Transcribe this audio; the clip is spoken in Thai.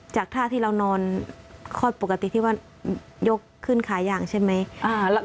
จากท่าที่เรานอนคลอดปกติที่ว่ายกขึ้นขายางใช่ไหม